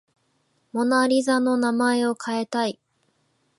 モナ・リザの名前を変えたい